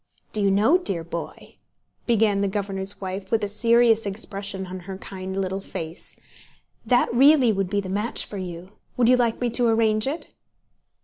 "Do you know, dear boy," began the governor's wife with a serious expression on her kind little face, "that really would be the match for you: would you like me to arrange it?"